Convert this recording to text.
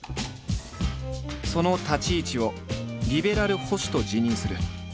その立ち位置を「リベラル保守」と自認する。